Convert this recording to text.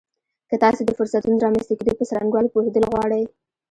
که تاسې د فرصتونو د رامنځته کېدو په څرنګوالي پوهېدل غواړئ.